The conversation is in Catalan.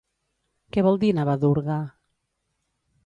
Què vol dir Navadurga?